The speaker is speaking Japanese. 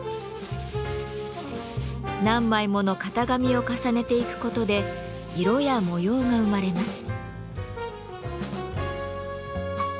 何枚もの型紙を重ねていくことで色や模様が生まれます。